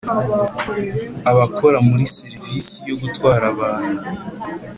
Abakora muri serivisi yo gutwara abantu